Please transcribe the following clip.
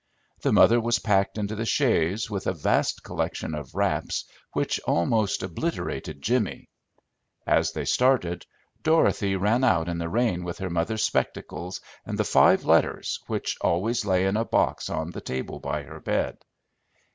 The mother was packed into the chaise with a vast collection of wraps, which almost obliterated Jimmy. As they started, Dorothy ran out in the rain with her mother's spectacles and the five letters, which always lay in a box on the table by her bed.